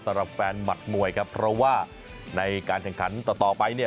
สำหรับแฟนหมัดมวยครับเพราะว่าในการแข่งขันต่อไปเนี่ย